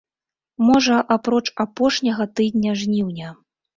Можа, апроч апошняга тыдня жніўня.